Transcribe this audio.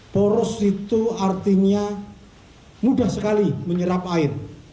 poros itu artinya mudah sekali menyerap air